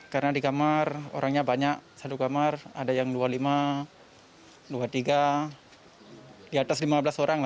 karena di kamar orangnya banyak satu kamar ada yang dua puluh lima dua puluh tiga di atas lima belas orang